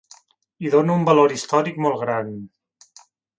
Hi dono un valor històric molt gran.